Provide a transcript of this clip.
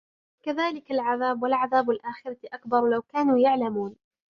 كَذَلِكَ الْعَذَابُ وَلَعَذَابُ الآخِرَةِ أَكْبَرُ لَوْ كَانُوا يَعْلَمُونَ